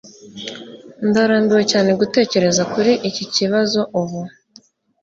Ndarambiwe cyane gutekereza kuri iki kibazo ubu.